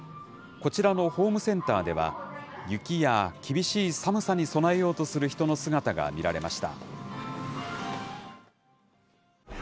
こちらのホームセンターでは、雪や厳しい寒さに備えようとする人の姿が見られました。